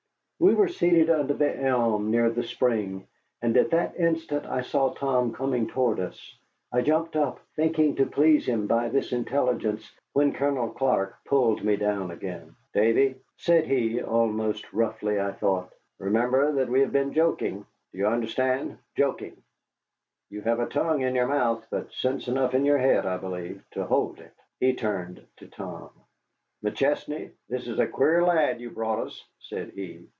We were seated under the elm near the spring, and at that instant I saw Tom coming toward us. I jumped up, thinking to please him by this intelligence, when Colonel Clark pulled me down again. "Davy," said he, almost roughly, I thought, "remember that we have been joking. Do you understand? joking. You have a tongue in your mouth, but sense enough in your head, I believe, to hold it." He turned to Tom. "McChesney, this is a queer lad you brought us," said he.